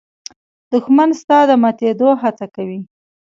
دښمن ستا د ماتېدو هڅه کوي